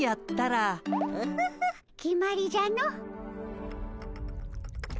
オホホ決まりじゃの。